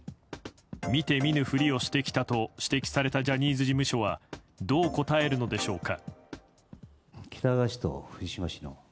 見て見ぬふりをしてきたと指摘されたジャニーズ事務所はどう答えるのでしょうか。